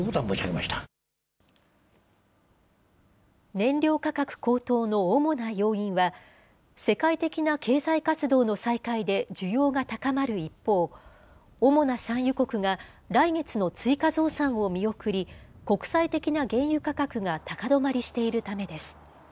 燃料価格高騰の主な要因は、世界的な経済活動の再開で需要が高まる一方、主な産油国が来月の追加増産を見送り、国際的な原油価格が高止まりしているためです。